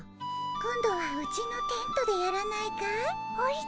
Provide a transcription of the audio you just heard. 今度はうちのテントでやらないかい？